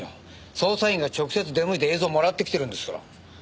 捜査員が直接出向いて映像をもらってきてるんですから。